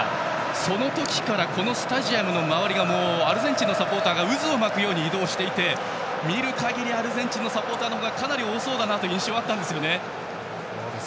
その時からこのスタジアムの周りはアルゼンチンのサポーターが渦を巻くように移動していて見る限り、アルゼンチンのサポーターの方がかなり多そうだという印象があったんですよね。